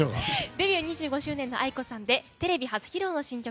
デビュー２５周年のａｉｋｏさんでテレビ初披露の新曲